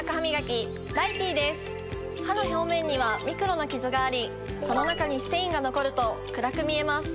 歯の表面にはミクロなキズがありその中にステインが残ると暗く見えます。